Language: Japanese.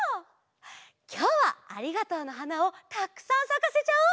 きょうは「ありがとうの花」をたくさんさかせちゃおう！